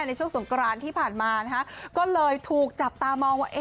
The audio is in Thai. ในช่วงสงกรานที่ผ่านมาก็เลยถูกจับตามองว่า